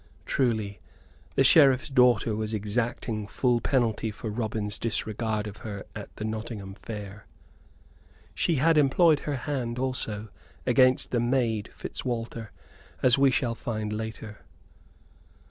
Truly the Sheriff's daughter was exacting full penalty for Robin's disregard of her at the Nottingham Fair. She had employed her hand also against the maid Fitzwalter, as we shall find later.